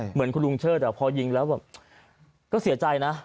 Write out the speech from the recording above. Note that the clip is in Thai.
เหมือนคุณลุงเชิดพอยิงแล้วแบบก็เสียใจนะ